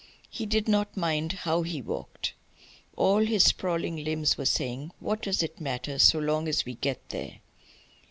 He did not mind how he walked. All his sprawling limbs were saying: "What does it matter, so long as we get there?"